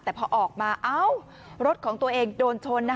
แต่พอออกมาเอ้ารถของตัวเองโดนชนนะ